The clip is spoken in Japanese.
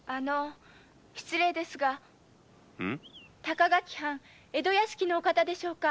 失礼ですが高垣藩江戸屋敷のお方でしょうか？